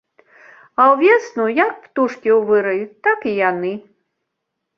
А ўвесну, як птушкі ў вырай, так і яны.